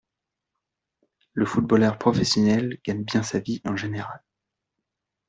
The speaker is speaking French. Le footballeur professionnel gagne bien sa vie en général.